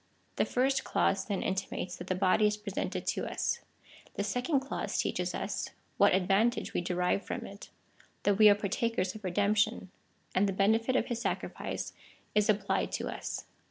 The first clause, then, intimates, that the body is presented to us : this second clause teaches us, what advantage we derive from it — that we are partakers of redemption, and the benefit of his sacri fice is applied to us.